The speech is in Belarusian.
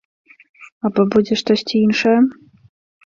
Або будзе штосьці іншае?